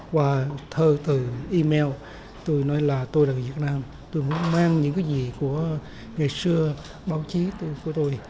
qua thơ từ email tôi nói là tôi là người việt nam tôi muốn mang những cái gì của ngày xưa báo chí của tôi